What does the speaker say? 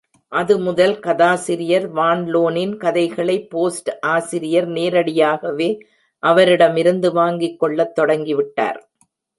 அது முதல் கதாசிரியர் வான் லோனின் கதைகளை போஸ்ட் ஆசிரியர் நேரடியாகவே அவரிடமிருந்து வாங்கிக் கொள்ளத் தொடங்கி விட்டார்.